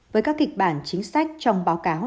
với các kịch bản chính sách trong báo cáo